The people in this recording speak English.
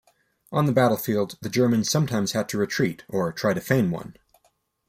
On the battlefield, the Germans sometimes had to retreat, or try to feign one.